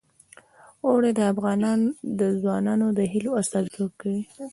اوړي د افغان ځوانانو د هیلو استازیتوب کوي.